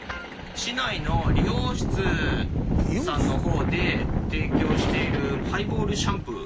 市内の理容室さんの方で提供しているハイボールシャンプー。